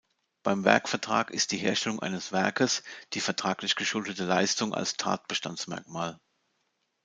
Beim Werkvertrag ist die Herstellung eines "Werkes" die vertraglich geschuldete Leistung als Tatbestandsmerkmal.